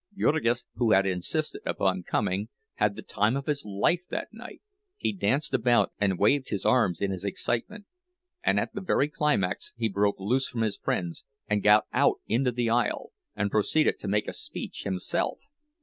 Jurgis, who had insisted upon coming, had the time of his life that night; he danced about and waved his arms in his excitement—and at the very climax he broke loose from his friends, and got out into the aisle, and proceeded to make a speech himself!